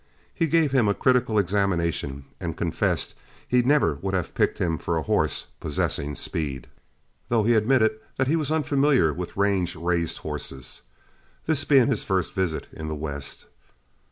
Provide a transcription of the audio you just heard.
He gave him a critical examination, and confessed he would never have picked him for a horse possessing speed, though he admitted that he was unfamiliar with range raised horses, this being his first visit in the West.